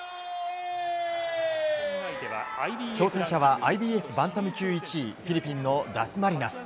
挑戦者はＩＢＦバンタム級１位フィリピンのダスマリナス。